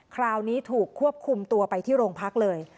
คราวนี้ถูกควบคุมตัวไปที่โรงพักเลย